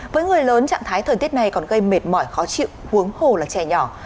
với người lớn trạng thái thời tiết này còn gây mệt mỏi khó chịu uống hồ là trẻ nhỏ